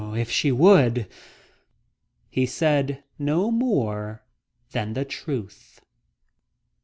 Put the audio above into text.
If she would..." He said no more than the truth...